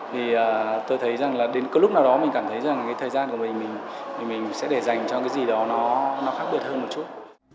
thì tôi thấy rằng là đến cái lúc nào đó mình cảm thấy rằng cái thời gian của mình mình sẽ để dành cho cái gì đó nó khác biệt hơn một chút